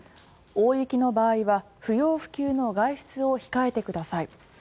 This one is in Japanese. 大雪の場合は不要不急の外出を控えてください